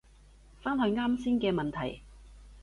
返去啱先嘅問題